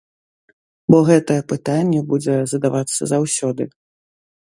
Бо гэтае пытанне будзе задавацца заўсёды.